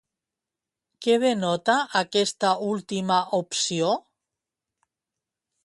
Què denota aquesta última opció?